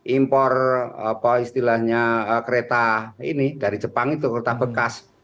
impor istilahnya kereta ini dari jepang itu kereta bekas